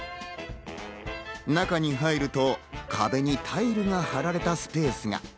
中に入ると壁にタイルが貼られたスペースが。